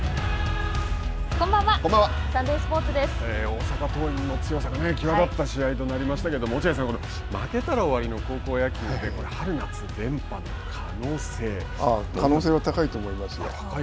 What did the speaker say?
大阪桐蔭の強さが紀和だった試合となりましたけれども落合さん、負けたら終わりの高校野球で可能性は高いと思いますよ。